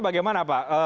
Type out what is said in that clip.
sebenarnya bagaimana pak